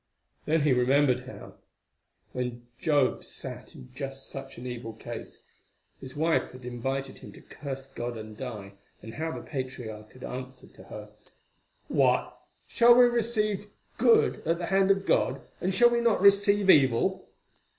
Then he remembered how, when Job sat in just such an evil case, his wife had invited him to curse God and die, and how the patriarch had answered to her, "What! shall we receive good at the hand of God, and shall we not receive evil?"